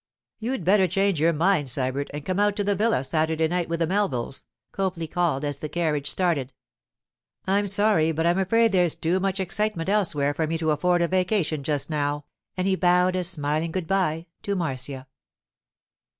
'You'd better change your mind, Sybert, and come out to the villa Saturday night with the Melvilles,' Copley called as the carriage started. 'I'm sorry, but I'm afraid there's too much excitement elsewhere for me to afford a vacation just now,' and he bowed a smiling good bye to Marcia.